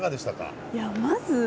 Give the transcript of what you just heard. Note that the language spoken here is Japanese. まず